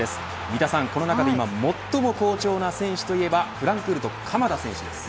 三田さん、この中で今、最も好調な選手といえばフランクフルト、鎌田選手です。